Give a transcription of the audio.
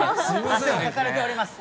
汗をかかれております。